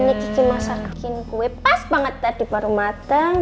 ini kiki masakin kue pas banget tadi baru mateng